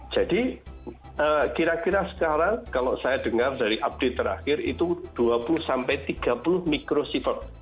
kira kira sekarang kalau saya dengar dari update terakhir itu dua puluh sampai tiga puluh mikrosievert